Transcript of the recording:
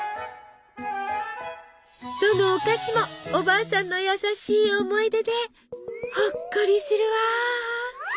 どのお菓子もおばあさんの優しい思い出でほっこりするわ！